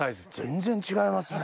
全然違いますね。